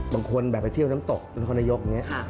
บางคนแบบไปเที่ยวน้ำตกนครนายกอย่างนี้